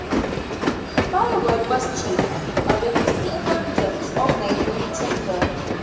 Firewood was cheap, owing to the abundance of neighbouring timber.